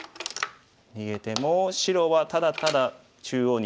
逃げても白はただただ中央に出ているだけ。